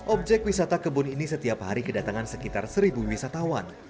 objek wisata kebun ini setiap hari kedatangan sekitar seribu wisatawan